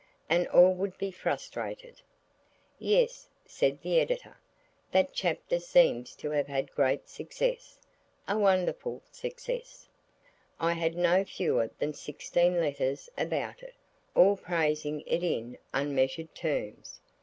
And all would be frustrated. HE LOOKED AT OSWALD'S BOOTS. "Yes," said the Editor; "that chapter seems to have had a great success–a wonderful success. I had no fewer than sixteen letters about it, all praising it in unmeasured terms."